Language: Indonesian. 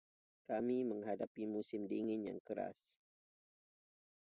Kami menghadapi musim dingin yang keras.